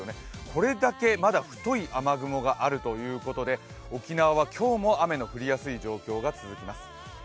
これだけまだ太い雨雲があるということで、沖縄は今日も雨の降りやすい状況が続きます。